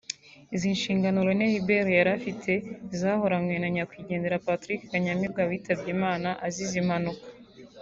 Izi nshingano Rene Hubert yari afite zahoranywe na nyakwigendera Patrick Kanyamibwa witabye Imana azize impanuka